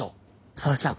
佐々木さん